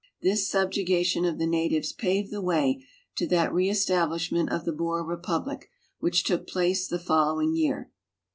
This sub jugation of the natiyes paved the way to that reestablishment of tlie Boer republic which took place the following A'ear.